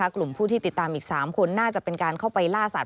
กลุ่มผู้ที่ติดตามอีก๓คนน่าจะเป็นการเข้าไปล่าสัตว